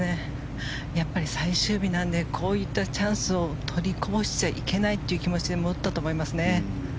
やっぱり最終日なのでこういったチャンスを取りこぼしちゃいけないという気持ちで打ったと思いますね。